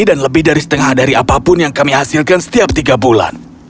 dan lebih dari setengah dari apapun yang kami hasilkan setiap tiga bulan